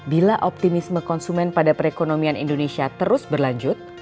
bila optimisme konsumen pada perekonomian indonesia terus berlanjut